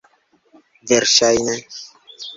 Verŝajne.